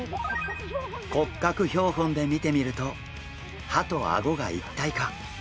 骨格標本で見てみると歯とあごが一体化！